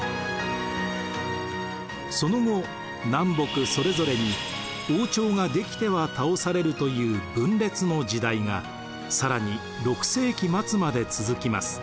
その後南北それぞれに王朝が出来ては倒されるという分裂の時代が更に６世紀末まで続きます。